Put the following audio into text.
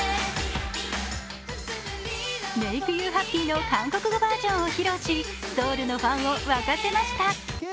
「Ｍａｋｅｙｏｕｈａｐｐｙ」の韓国語バージョンを披露しソウルのファンを沸かせました。